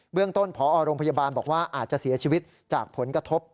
เรื่องต้นพอโรงพยาบาลบอกว่าอาจจะเสียชีวิตจากผลกระทบ